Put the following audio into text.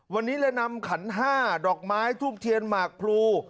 วันนี้เรานำขัน๕ดอกไม้ทุ่มเทียนหมากพลู